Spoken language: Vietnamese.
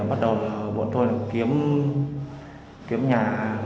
bắt đầu bọn tôi kiếm nhà